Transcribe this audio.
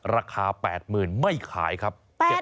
ราคา๘๐๐๐ไม่ขายครับ